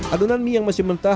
adonan mie yang masih mentah